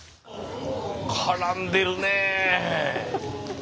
絡んでるね！